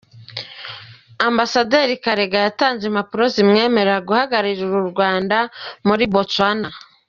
Ambasaderi Karega yatanze impapuro zimwemerera guhagararira u Rwanda muri Botsuwana